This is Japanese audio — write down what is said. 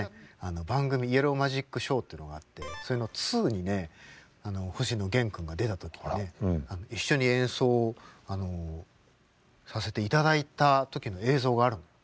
番組「イエローマジックショー」というのがあってそれの２にね星野源君が出た時にね一緒に演奏をさせていただいた時の映像があるのよ。